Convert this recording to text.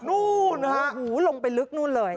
โอ้โหลงไปลึกนู่นเลย